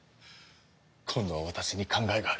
今度は私に考えがある。